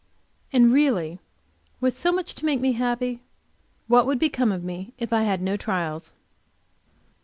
And really, with so much to make me happy, what would become of me if I had no trials?